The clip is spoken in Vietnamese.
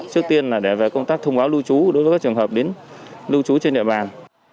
trước tiên là để về công tác thông báo lưu trú đối với các trường hợp đến lưu trú trên địa bàn